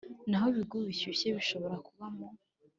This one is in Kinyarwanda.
naho ibihugu bishyuha bishobora kubamo